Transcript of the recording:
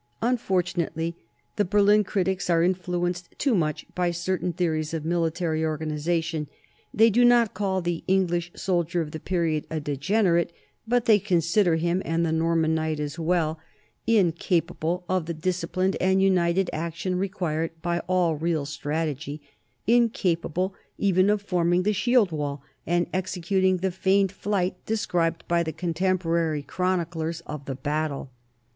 Un fortunately the Berlin critics are influenced too much by certain theories of military organization; they do not call the English soldier of the period a degenerate, but they consider him, and the Norman knight as well, in 78 NORMANS IN EUROPEAN HISTORY capable of the disciplined and united action required by all real strategy, incapable even of forming the shield wall and executing the feigned flight described by the contemporary chroniclers of the battle.